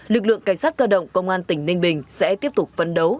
lực lượng cảnh sát cơ động công an tỉnh ninh bình sẽ tiếp tục phấn đấu